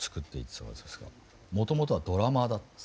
もともとはドラマーだった。